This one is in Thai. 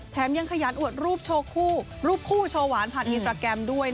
แถมยังขยันอวดรูปโชว์คู่รูปคู่โชว์หวานผ่านอินสตราแกรมด้วย